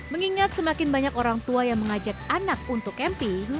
mengingat semakin banyak orang tua yang mengajak anak untuk camping